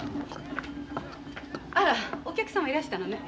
あらお客様いらしたのね。